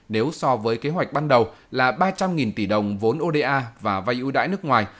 nếu so với kế hoạch ban đầu là ba trăm linh tỷ đồng vốn oda và vay ưu đãi nước ngoài